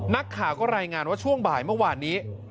นักข่าวก็รายงานว่าช่วงบ่ายเมื่อวานนี้